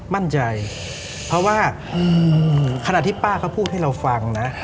มั่นใจเพราะว่าขณะที่ป้าเขาพูดให้เราฟังนะ